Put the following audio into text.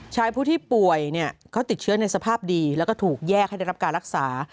ชายผู้ที่ป่วยเขาติดเชื้อในสภาพดีแล้วก็ถูกแยกให้ได้รับการรักษา